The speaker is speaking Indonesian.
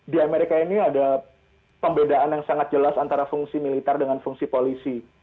di amerika ini ada pembedaan yang sangat jelas antara fungsi militer dengan fungsi polisi